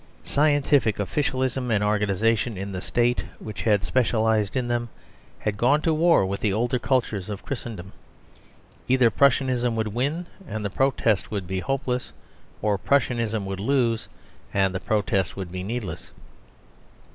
Scientific officialism and organisation in the State which had specialised in them, had gone to war with the older culture of Christendom. Either Prussianism would win and the protest would be hopeless, or Prussianism would lose and the protest would be needless.